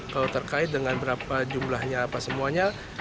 kalau terkait dengan berapa jumlahnya apa semuanya